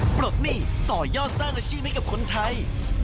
ปลดหนี้ต่อยอดสร้างอาชีพให้กับคนไทย